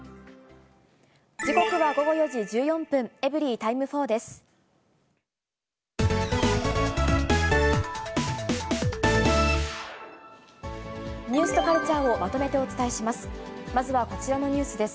時刻は午後４時１４分、エブリィタイム４です。